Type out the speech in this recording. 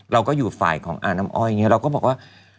เราก็อยู่ฝ่ายของอาน้ำอ้อยอย่างนี้เราก็บอกว่า